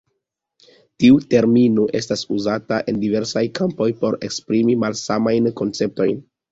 Tiu termino estas uzata en diversaj kampoj por esprimi malsamajn konceptojn.